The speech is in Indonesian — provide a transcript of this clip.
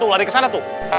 lari ke sana tuh